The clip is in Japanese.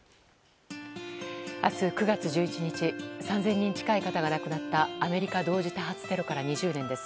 明日、９月１１日３０００人近い方が亡くなったアメリカ同時多発テロから２０年です。